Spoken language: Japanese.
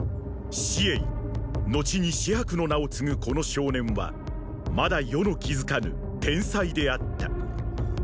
紫詠ーーのちに紫伯の名を継ぐこの少年はまだ世の気付かぬ“天才”であった。